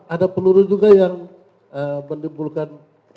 ada peluru juga yang menimbulkan